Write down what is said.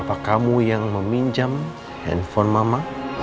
apa kamu yang meminjam handphone mama